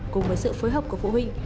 cùng với sự phối học của phụ huynh